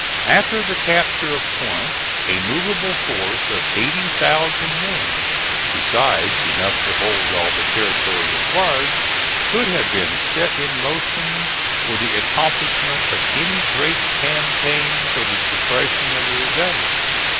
After the capture of Corinth a movable force of 80,000 men, besides enough to hold all the territory acquired, could have been set in motion for the accomplishment of any great campaign for the suppression of the rebellion.